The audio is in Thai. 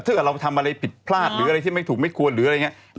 ถ้าเกิดเราทำอะไรผิดพลาดหรืออะไรที่ไม่ถูกไม่ควรหรืออะไรอย่างนี้